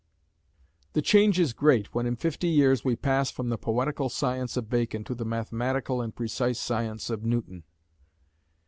The change is great when in fifty years we pass from the poetical science of Bacon to the mathematical and precise science of Newton.